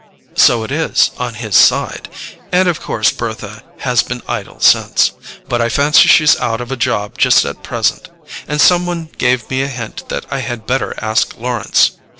"So it is, on his side. And of course Bertha has been idle since. But I fancy she's out of a job just at present—and some one gave me a hint that I had better ask Lawrence.